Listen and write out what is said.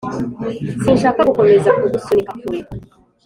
sinshaka gukomeza kugusunika kure.